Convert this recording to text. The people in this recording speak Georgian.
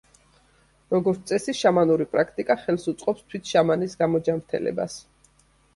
როგორც წესი, შამანური პრაქტიკა ხელს უწყობს თვით შამანის გამოჯანმრთელებას.